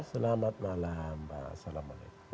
selamat malam mbak